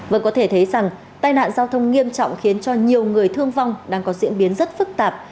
vâng có thể thấy rằng tai nạn giao thông nghiêm trọng khiến cho nhiều người thương vong đang có diễn biến rất phức tạp